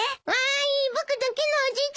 僕だけのおじいちゃんです。